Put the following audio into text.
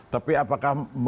tapi apakah mau menterima